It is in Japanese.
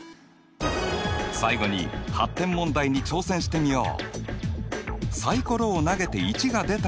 最後に発展問題に挑戦してみよう。